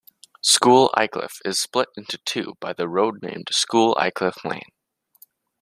School Aycliffe is split into two by the road named School Aycliffe Lane.